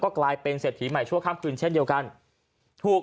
กลายเป็นเศรษฐีใหม่ชั่วข้ามคืนเช่นเดียวกันถูก